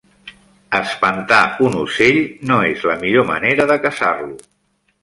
Espantar un ocell no és la millor manera de caçar-lo.